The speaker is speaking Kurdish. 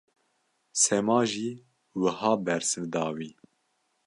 Sema jî wiha bersiv da wî.